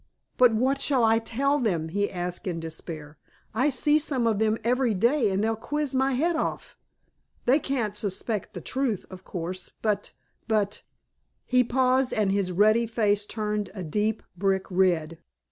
"But what shall I tell them?" he asked in despair. "I see some of them every day and they'll quiz my head off. They can't suspect the truth, of course, but but " he paused and his ruddy face turned a deep brick red.